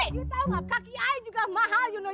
eh you tau gak kaki i juga mahal you know